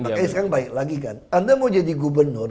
pak is kan baik lagi kan anda mau jadi gubernur